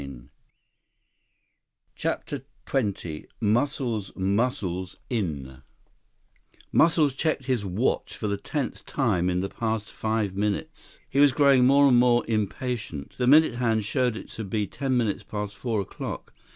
161 CHAPTER XX Muscles "Muscles" In Muscles checked his watch for the tenth time in the past five minutes. He was growing more and more impatient. The minute hand showed it to be ten minutes past four o'clock.